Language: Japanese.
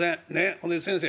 ほんで先生